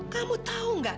kamu tahu tidak